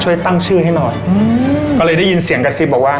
ช่วยตั้งชื่อให้หน่อยอืมก็เลยได้ยินเสียงกระซิบบอกว่า